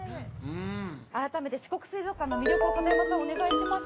改めて四国水族館の魅力を、片山さん、お願いします。